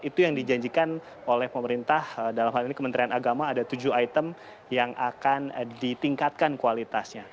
itu yang dijanjikan oleh pemerintah dalam hal ini kementerian agama ada tujuh item yang akan ditingkatkan kualitasnya